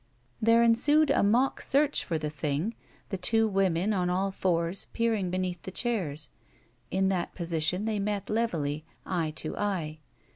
There ensued a mock search for the thing, the two women, on all fours, i)eering beneath the chairs. In that position they met levelly, eye to eye.